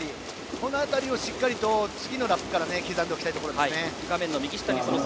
この辺りをしっかりと次のラップから刻んでおきたいところです。